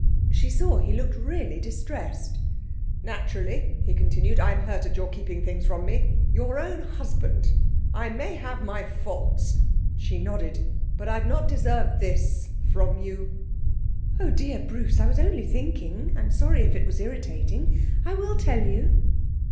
She saw he looked really distressed. 'Naturally,' he continued, 'I'm hurt at your keeping things from me. Your own husband! I may have my faults ' She nodded. 'But I've not deserved this from you.' 'Oh dear, Bruce, I was only thinking. I'm sorry if I was irritating. I will tell you.'